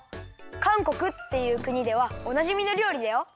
かんこくっていうくにではおなじみのりょうりだよ。